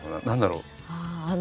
何だろう。